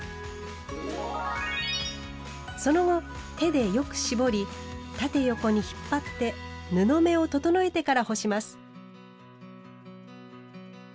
その後手でよく絞り縦横に引っ張って布目を整えてから干します。